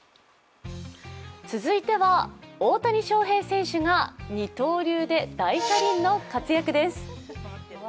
続いては、大谷翔平選手が二刀流で大車輪の活躍です。